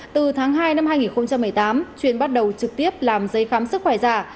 từ tháng hai năm hai nghìn một mươi tám chuyên bắt đầu trực tiếp làm giấy khám sức khỏe giả